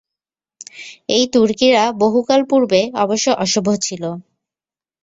এই তুর্কীরা বহুকাল পূর্বে অবশ্য অসভ্য ছিল।